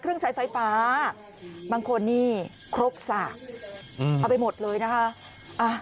ใช้ไฟฟ้าบางคนนี่ครบสระเอาไปหมดเลยนะคะ